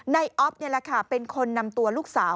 อ๊อฟนี่แหละค่ะเป็นคนนำตัวลูกสาว